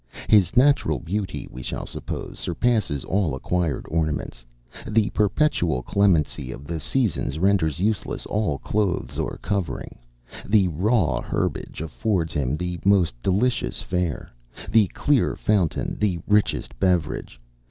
His natural beauty, we shall suppose, surpasses all acquired ornaments; the perpetual clemency of the seasons renders useless all clothes or covering: the raw herbage affords him the most delicious fare; the clear fountain, the richest beverage.